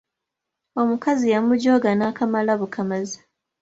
Omukazi yamujooga n'akamala bukamazi.